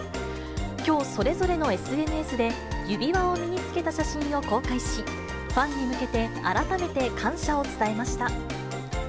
きょう、それぞれのＳＮＳで、指輪を身につけた写真を公開し、ファンに向けて改めて感謝を伝えました。